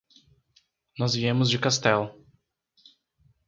Nós viemos de Castell.